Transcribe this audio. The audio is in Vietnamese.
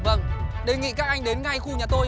vâng đề nghị các anh đến ngay khu nhà tôi